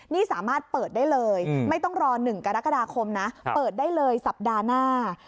นี่สามารถเปิดได้เลยไม่ต้องรอ๑กรกฎาคมนะเปิดได้เลยสัปดาห์หน้า